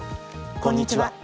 こんにちは。